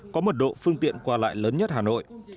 có mật độ phương tiện qua lại lớn nhất hà nội